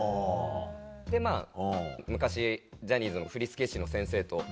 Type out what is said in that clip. でまぁ昔ジャニーズの振付師の先生と。